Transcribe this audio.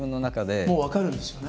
もう分かるんですよね？